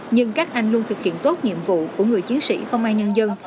nhưng các anh luôn thực hiện tốt nhiệm vụ của người chiến sĩ công an nhân dân